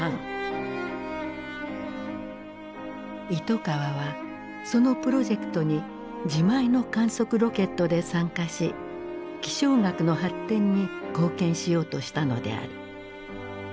糸川はそのプロジェクトに自前の観測ロケットで参加し気象学の発展に貢献しようとしたのである。